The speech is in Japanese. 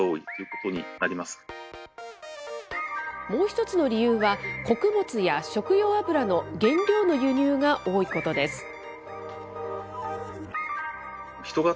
もう一つの理由は、穀物や食用油の原料の輸入が多いことです。